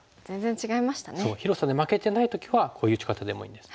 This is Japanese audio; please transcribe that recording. そう広さで負けてない時はこういう打ち方でもいいんです。